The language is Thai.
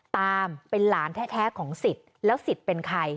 ตามเป็นหลานแท้ของศิษย์แล้วศิษย์เป็นใคร